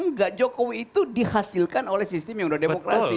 enggak jokowi itu dihasilkan oleh sistem yang sudah demokrasi